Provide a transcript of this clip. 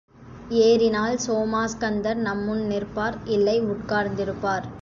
ஏறினால் சோமாஸ்கந்தர் நம்முன் நிற்பார் இல்லை, உட்கார்ந்திருப்பார்.